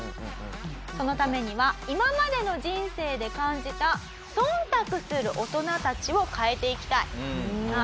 そのためには今までの人生で感じた忖度する大人たちを変えていきたい。